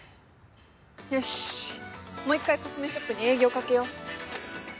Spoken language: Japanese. よしもう一回コスメショップに営業かけよう。